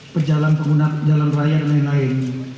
pejalan pengguna jalan raya dan lain lain